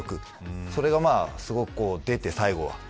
それが、すごく出て、最後は。